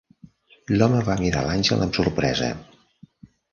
L'home va mirar l'àngel amb sorpresa.